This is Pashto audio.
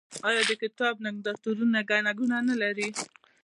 آیا د کتاب نندارتونونه ګڼه ګوڼه نلري؟